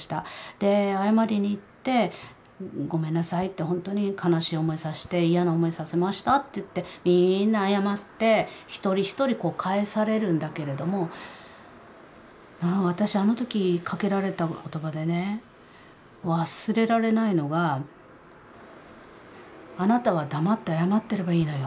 で謝りに行ってごめんなさいって本当に悲しい思いをさせて嫌な思いをさせましたって言ってみんな謝って一人一人帰されるんだけれども私あの時かけられた言葉でね忘れられないのが「あなたは黙って謝ってればいいのよ。